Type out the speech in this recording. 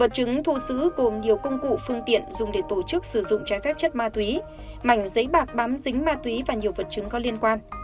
vật chứng thu giữ gồm nhiều công cụ phương tiện dùng để tổ chức sử dụng trái phép chất ma túy mảnh giấy bạc bám dính ma túy và nhiều vật chứng có liên quan